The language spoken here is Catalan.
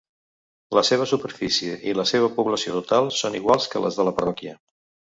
La seva superfície i la seva població total són iguals que les de la parròquia.